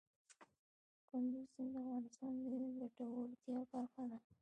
کندز سیند د افغانانو د ګټورتیا برخه ده.